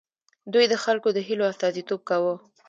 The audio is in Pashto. دوی د خلکو د هیلو استازیتوب کاوه.